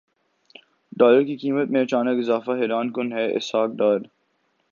dollar کی قیمت میں اچانک اضافہ حیران کن ہے اسحاق ڈار